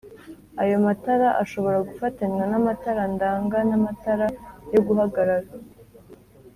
Ayo matara ashobora gufatanywa n amatara ndanga n amatara yo guhagarara